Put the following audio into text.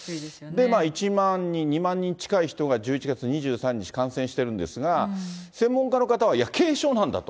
１万人、２万人近い人が、１１月２３日感染してるんですが、専門家の方は、いや、軽症なんだと。